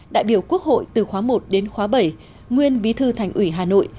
đại biểu quốc hội từ khóa một đến khóa bảy nguyên bí thư thành ủy hà nội